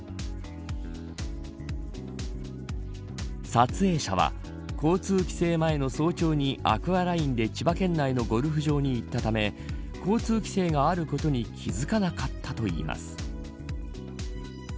撮影者は交通規制前の早朝にアクアラインで千葉県内のゴルフ場に行ったため交通規制があることに気づかなかったといいます。